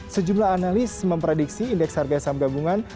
sejumlah analis memprediksi indeks harga saham gabungan